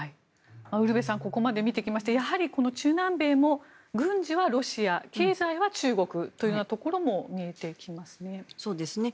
ウルヴェさんここまで見てきましてやはり中南米も軍事はロシア経済は中国というところもそうですね。